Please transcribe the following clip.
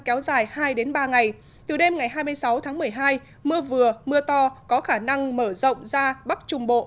kéo dài hai ba ngày từ đêm ngày hai mươi sáu tháng một mươi hai mưa vừa mưa to có khả năng mở rộng ra bắc trung bộ